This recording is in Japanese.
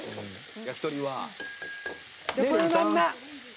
焼き鳥は。